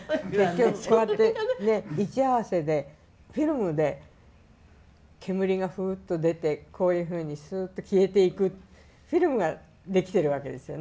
それでね位置合わせでフィルムで煙がフウッと出てこういうふうにスーッと消えていくフィルムができてるわけですよね。